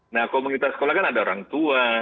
nah komunitas sekolah kan ada orang tua